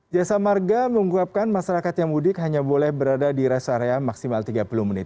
jasa marga menguapkan masyarakat yang mudik hanya boleh berada di rest area maksimal tiga puluh menit